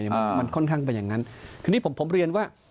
มันค่อนข้างไปอย่างนั้นคนนี้ผมเรียนว่า